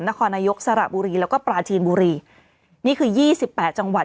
นครนายกสระบุรีแล้วก็ปลาจีนบุรีนี้คือ๒๘จังหวัด